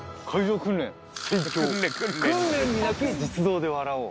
「訓練に泣き実動で笑おう」。